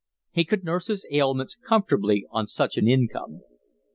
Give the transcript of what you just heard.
He could nurse his ailments comfortably on such an income.